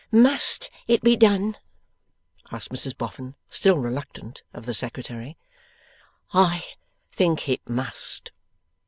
'MUST it be done?' asked Mrs Boffin, still reluctant, of the Secretary. 'I think it must.